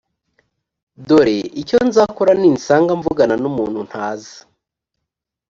dore icyo nzakora ninsanga mvugana n’umuntu ntazi